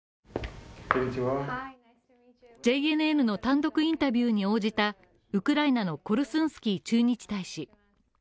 ＪＮＮの単独インタビューに応じたウクライナのコルスンスキー駐日大使。